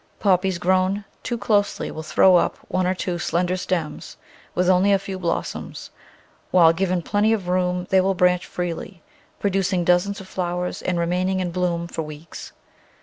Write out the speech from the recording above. Poppies grown too closely will throw up one or two slender stems with only a few blossoms, while, given plenty of room, they will branch freely, producing dozens of flowers and remaining in bloom for weeks.